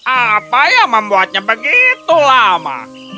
apa yang membuatnya begitu lama